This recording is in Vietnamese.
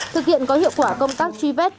thực hiện có hiệu quả công tác truy vết